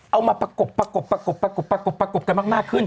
เอามาประกบกันมากขึ้น